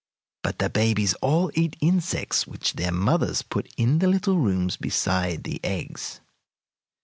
But the babies all eat insects which their mothers put in the little rooms beside the eggs.